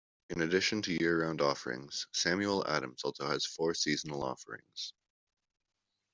In addition to year-round offerings, Samuel Adams also has four seasonal offerings.